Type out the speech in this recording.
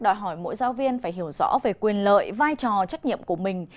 đòi hỏi mỗi giáo viên phải hiểu rõ về quyền lợi vai trò trách nhiệm của mình